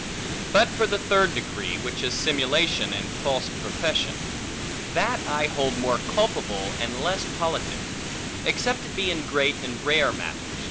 But for the third degree, which is simulation, and false profession; that I hold more culpable, and less politic; except it be in great and rare matters.